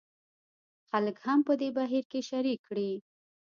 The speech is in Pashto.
خلک هم په دې بهیر کې شریک کړي.